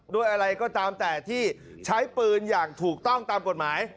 ด้วยอะไรก็ตามแต่ที่ใช้ปืนอย่างถูกต้องตามกฎหมาย